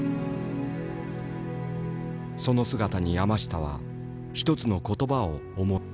その姿に山下は１つの言葉を思った。